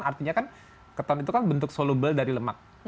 artinya kan keton itu kan bentuk soluble dari lemak